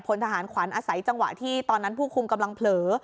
พลทหารขวัญอาศัยจังหวะที่ตอนนั้นผู้คุมกำลังเผลอ